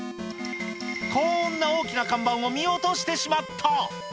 こんな大きな看板を見落としてしまった。